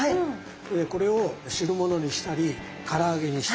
これを汁物にしたりから揚げにしたり。